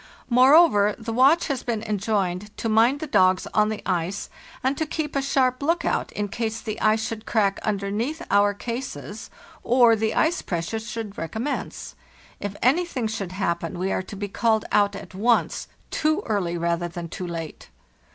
Moreover, the watch has been enjoined to mind the dogs on the ice and to keep a sharp lookout in case the ice should crack underneath our cases or the ice pressure should recommence; if anything should happen we are to be called out at once, too early rather than too late.